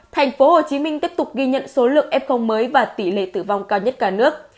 thành phố hồ chí minh tiếp tục ghi nhận số lượng f mới và tỷ lệ tử vong cao nhất cả nước